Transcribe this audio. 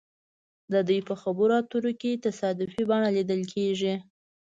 د دوی په خبرو اترو کې تصادفي بڼه لیدل کیږي